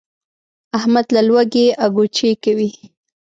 احمد له لوږې اګوچې کوي.